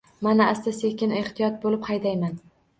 Men asta-sekin, ehtiyot bo`lib haydayman